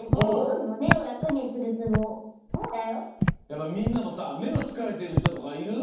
やっぱみんなもさめのつかれてるひととかいる？